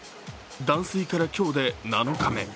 断水から今日で７日目。